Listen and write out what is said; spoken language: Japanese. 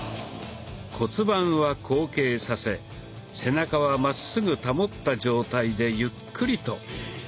骨盤は後傾させ背中はまっすぐ保った状態でゆっくりと。